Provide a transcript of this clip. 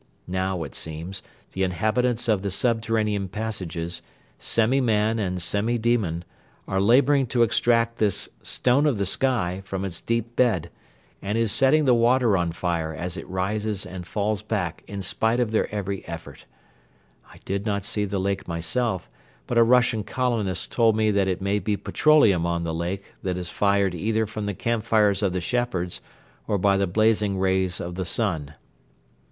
Now, it seems, the inhabitants of the subterranean passages, semi man and semi demon, are laboring to extract this "stone of the sky" from its deep bed and it is setting the water on fire as it rises and falls back in spite of their every effort. I did not see the lake myself but a Russian colonist told me that it may be petroleum on the lake that is fired either from the campfires of the shepherds or by the blazing rays of the sun.